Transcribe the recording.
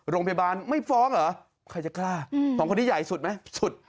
โรงพยาบาลไม่ฟ้องเหรอใครจะกล้าสองคนนี้ใหญ่สุดไหมสุด